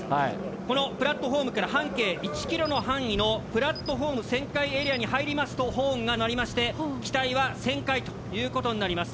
このプラットホームから半径１ｋｍの範囲のプラットホーム旋回エリアに入りますとホーンが鳴りまして機体は旋回ということになります。